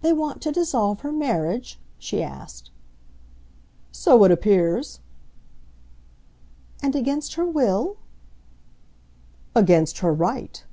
"They want to dissolve her marriage?" she asked. "So it appears." "And against her will?" "Against her right."